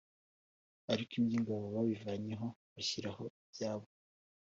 ariko iby'ingabo babivanyeho bashyiraho ibyabo.